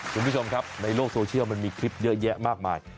คุณผู้ชมครับในโลกโซเชียลมันมีคลิปเยอะแยะมากมาย